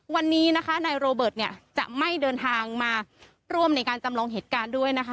วันนี้นะคะนายโรเบิร์ตเนี่ยจะไม่เดินทางมาร่วมในการจำลองเหตุการณ์ด้วยนะคะ